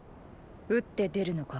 打って出るのか。